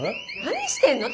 何してんの？